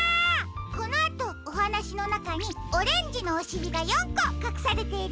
このあとおはなしのなかにオレンジのおしりが４こかくされているよ。